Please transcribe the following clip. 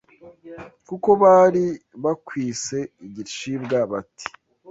kuko bari bakwise igicibwa bati